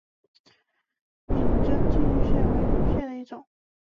柄真寄居蟹为寄居蟹的一种。